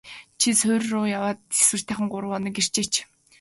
Чи суурь руу яваад тэсвэртэйхэн гурав хоноод ирээч.